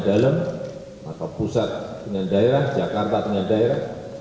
dalam atau pusat dengan daerah jakarta dengan daerah